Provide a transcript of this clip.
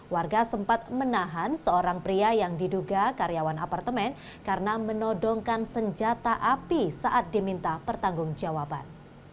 warga sempat menahan seorang pria yang diduga karyawan apartemen karena menodongkan senjata api saat diminta pertanggung jawaban